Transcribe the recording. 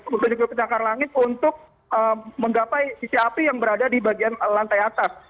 mobil mobil penyakar langit untuk menggapai sisi api yang berada di bagian lantai atas